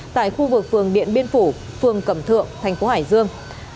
tại khu vực phường điện biên phủ phường cẩm thượng thành phố hải dương